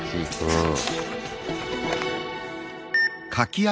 うん。